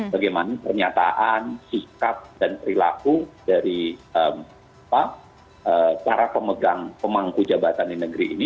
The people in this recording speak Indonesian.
bagaimana pernyataan sikap dan perilaku dari para pemegang pemangku jabatan di negeri ini